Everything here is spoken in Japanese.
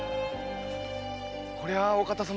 こりゃあお方様。